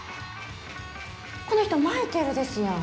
この人マイケルですやん。